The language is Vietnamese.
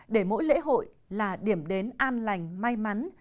để mỗi lễ hội là điểm đến an lành may mắn